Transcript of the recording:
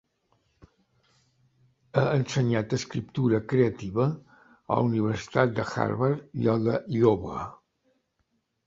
Ha ensenyat escriptura creativa a la Universitat Harvard i a la d'Iowa.